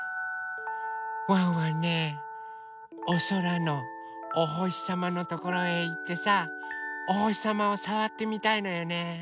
ワンワンねおそらのおほしさまのところへいってさおほしさまをさわってみたいのよね。